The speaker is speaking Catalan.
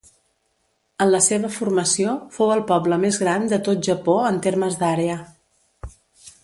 En la seva formació, fou el poble més gran de tot Japó en termes d'àrea.